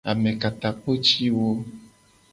Amekatakpotiwo.